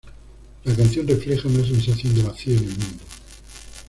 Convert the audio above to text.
La canción refleja una sensación de vacío en el mundo.